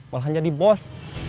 malah jadi bos